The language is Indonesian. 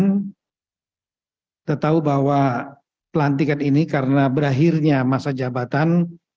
kita tahu bahwa pelantikan ini karena berakhirnya masa jabatan